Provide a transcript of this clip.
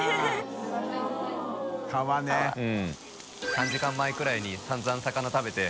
３時間前くらいに散々魚食べて。